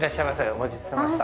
お待ちしてました。